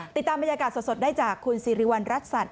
ติดตามบรรยากาศสดได้จากคุณสิริวัณรักษัตริย